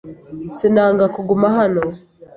Sinanga kuguma hano.